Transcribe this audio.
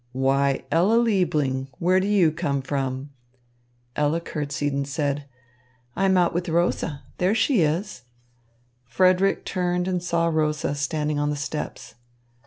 "Why, Ella Liebling, where do you come from?" Ella courtesied and said: "I am out with Rosa. There she is." Frederick turned and saw Rosa standing on the steps.